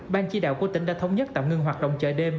ban chỉ đạo của tỉnh đã thống nhất tạm ngưng hoạt động chợ đêm